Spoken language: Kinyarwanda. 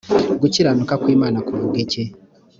gukiranuka kw’imana kuvuga iki ?